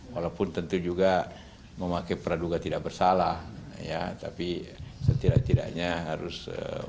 walaupun tentu juga memakai peraduga tidak bersalah tapi setidaknya harus dalam konteks keimpinannya